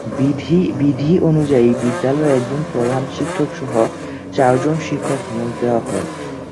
বিধি অনুযায়ী বিদ্যালয়ে একজন প্রধান শিক্ষকসহ চারজন শিক্ষক নিয়োগ দেওয়া হয়।